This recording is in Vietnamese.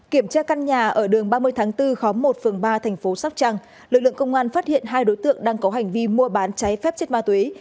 kiểm tra căn nhà ở đường ba mươi tháng bốn khóm một phường ba thành phố sóc trăng lực lượng công an phát hiện hai đối tượng đang có hành vi mua bán cháy phép chất ma túy